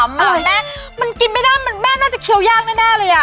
อะไรแม่มันกินไม่ได้แม่น่าจะเคี้ยวย่างแน่เลย